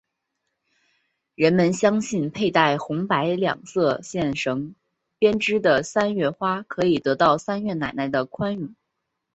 人们相信佩戴红白两色线绳编织的三月花可以得到三月奶奶的宽宥。